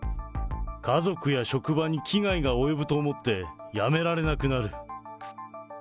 家族や職場に危害が及ぶと思って、辞められなくなる。